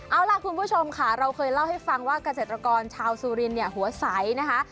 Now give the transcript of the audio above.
เอาล่ะคุณผู้ชมค่ะเราเคยเล่าให้ฟังว่ากาศิลปากชาวสูรินต์หัวใสนะคะ